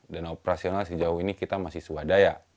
dana operasional sejauh ini kita masih swadaya